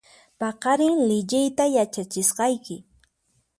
Paqarin liyiyta yachachisqayki